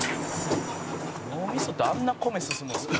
「脳みそってあんな米進むんですか？」